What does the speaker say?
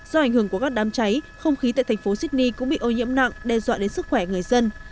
do ảnh hưởng của các đám cháy không khí tại thành phố sydney cũng bị ô nhiễm nặng đe dọa đến sức khỏe người dân